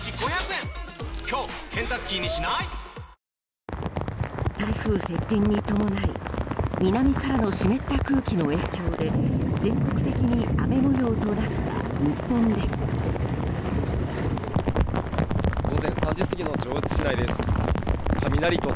台風接近に伴い南からの湿った空気の影響で全国的に雨模様となった日本列島。